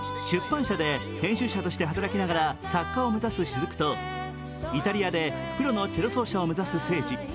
出版社で編集者として働きながら作家を目指す雫とイタリアでプロのチェロ奏者を目指す聖司。